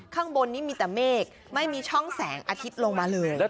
ข้างบนนี้มีแต่เมฆไม่มีช่องแสงอาทิตย์ลงมาเลย